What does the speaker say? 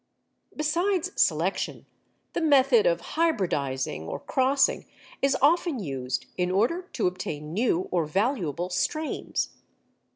Besides selection, the method of hybridizing or crossing is often used in order to obtain new or valuable strains.